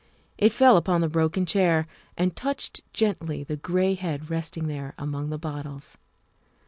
It fell upon the broken chair and touched gently the gray head resting there among the bottles.